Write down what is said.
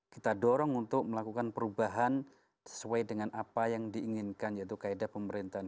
kita dorong untuk melakukan perubahan sesuai dengan apa yang diinginkan yaitu kaedah pemerintahan